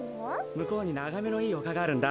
むこうにながめのいいおかがあるんだ。